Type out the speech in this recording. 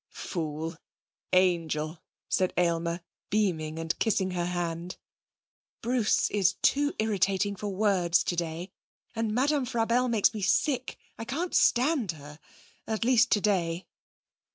'Fool! Angel!' said Aylmer, beaming, and kissing her hand. 'Bruce is too irritating for words today. And Madame Frabelle makes me sick. I can't stand her. At least today.'